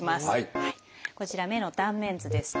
こちら目の断面図です。